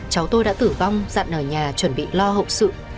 cháu tôi đã tử vong dặn ở nhà chuẩn bị lo hậu sự